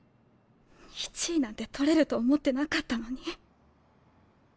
１位なんて取れると思ってなかったのに。